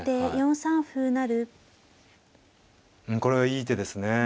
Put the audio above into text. うんこれはいい手ですね。